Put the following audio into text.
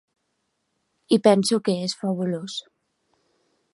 I penso que és fabulós!